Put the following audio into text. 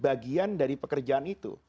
bagian dari pekerjaan itu